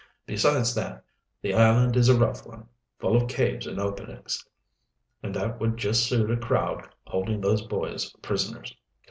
Besides that, the island is a rough one, full of caves and openings, and that would just suit a crowd holding those boys prisoners."